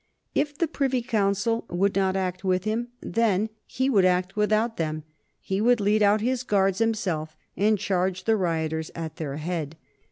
If the Privy Council would not act with him, then he would act without them. He would lead out his Guards himself and charge the rioters at their head.